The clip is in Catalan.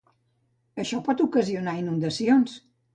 Això pot ocasionar inundacions.